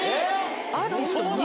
アーティストに？